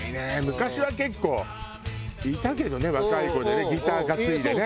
昔は結構いたけどね若い子でねギター担いでね。